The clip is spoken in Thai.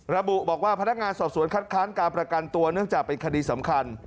ระบุบอกว่าพนักงานสอบสวนคัดค้านการประกันตัวเนื่องจากเป็นคดีสำคัญ